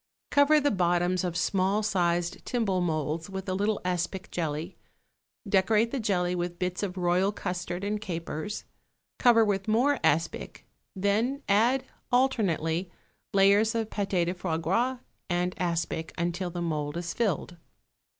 = Cover the bottoms of small sized timbale moulds with a little aspic jelly; decorate the jelly with bits of royal custard and capers; cover with more aspic; then add, alternately, layers of pâté de foie gras and aspic, until the mould is filled.